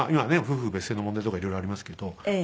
夫婦別姓の問題とかいろいろありますけど。